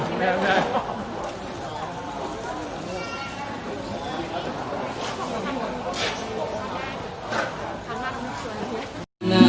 สวัสดีทุกคน